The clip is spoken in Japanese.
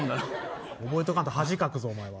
覚えとかんと恥かくぞ。